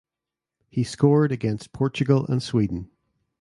He scored against Portugal and Sweden.